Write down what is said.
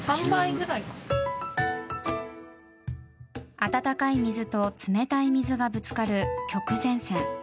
温かい水と冷たい水がぶつかる極前線。